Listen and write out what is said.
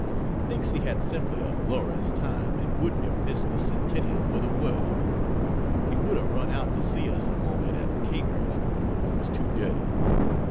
Thinks he had simply a glorious time and wouldn't have missed the Centennial for the world. He would have run out to see us a moment at Cambridge, but was too dirty.